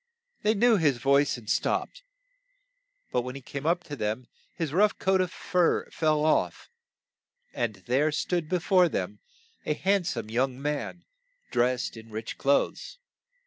They knew his voice and stopped, but when he came up to them, his rough coat of fur fell off, and there stood be fore them a hand some young man, dressed in rich clothes.